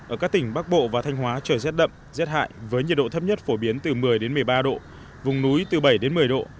ở các tỉnh bắc bộ và thanh hóa trời rét đậm rét hại với nhiệt độ thấp nhất phổ biến từ một mươi một mươi ba độ vùng núi từ bảy đến một mươi độ